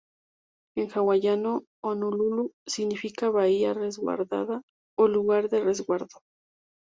En hawaiano, "Honolulu" significa "bahía resguardada" o "lugar de resguardo".